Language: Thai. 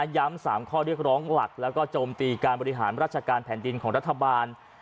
๓ข้อเรียกร้องหลักแล้วก็โจมตีการบริหารราชการแผ่นดินของรัฐบาล